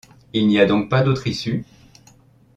Il n’y a donc pas d’autre issue?